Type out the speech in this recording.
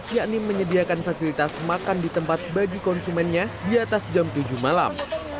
yakni menyediakan fasilitas makan di tempat bagi konsumennya di atas jam tujuh malam